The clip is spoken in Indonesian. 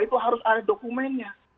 itu harus ada dokumennya